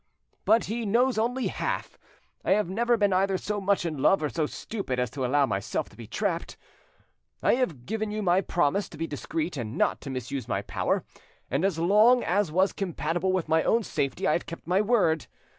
But he knows only half: I have never been either so much in love or so stupid as to allow myself to be trapped. I have given you my promise to be discreet and not to misuse my power, and as long as was compatible with my own safety I have kept my word.